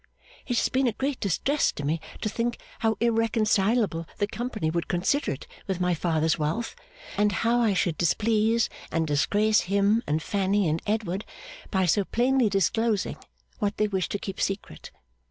It has been a great distress to me to think how irreconcilable the company would consider it with my father's wealth, and how I should displease and disgrace him and Fanny and Edward by so plainly disclosing what they wished to keep secret.